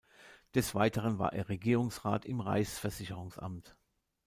Des Weiteren war er Regierungsrat im Reichsversicherungsamt.